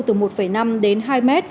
từ một năm đến hai m